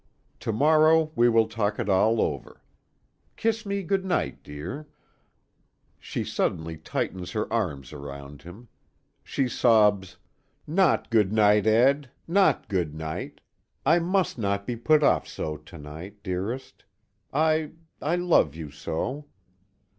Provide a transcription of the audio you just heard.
To morrow we will talk it all over. Kiss me good night, dear " She suddenly tightens her arms around him. She sobs: "Not good night, Ed. Not good night. I must not be put off so to night, dearest. I I love you so."